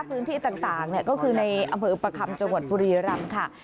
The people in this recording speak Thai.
พื้นที่ต่างก็คือในอำเภอประคำจังหวัดบุรีรำค่ะ